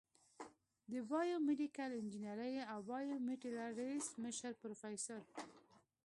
د بایو میډیکل انجینرۍ او بایومیټریلز مشر پروفیسر